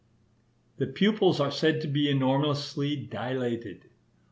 The pupils are said to be enormously dilated.